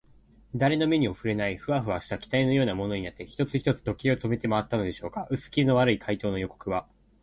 だれの目にもふれない、フワフワした気体のようなものになって、一つ一つ時計を止めてまわったのでしょうか。うすきみの悪い怪盗の予告は、